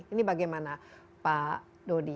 ini bagaimana pak dodi